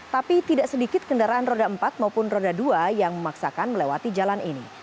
tapi tidak sedikit kendaraan roda empat maupun roda dua yang memaksakan melewati jalan ini